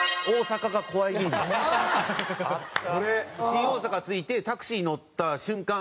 新大阪着いてタクシー乗った瞬間